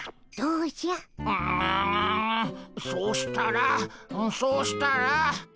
うううそうしたらそうしたら。